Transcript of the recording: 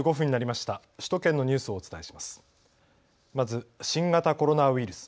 まず新型コロナウイルス。